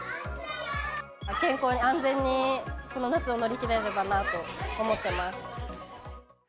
健康に、安全に、この夏を乗り切れればなと思ってます。